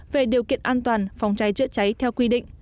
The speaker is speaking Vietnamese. về điều kiện an toàn phòng cháy chữa cháy theo quy định